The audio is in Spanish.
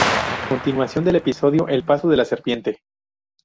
Continuación del episodio El Paso de la Serpiente.